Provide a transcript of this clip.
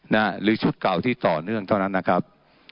หรือชุดเก่าที่ต่อเนื่องเท่านั้นนะครับ